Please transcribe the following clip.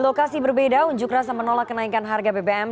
di lokasi berbeda unjuk rasa menolak kenaikan harga bbm